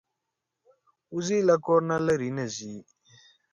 وزې له کور نه لرې نه ځي